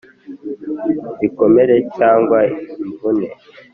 ibikomere cyangwa imvune."